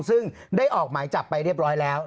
ซึ่งได้ออกหมายจับไปเรียบร้อยแล้ว